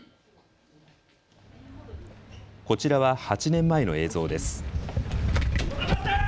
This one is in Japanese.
こちらは８年前の映像です。